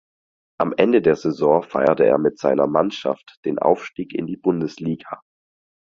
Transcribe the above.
Am Ende der Saison feierte er mit seiner Mannschaft den Aufstieg in die Bundesliga.